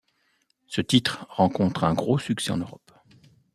Ce titre rencontre un gros succès en Europe.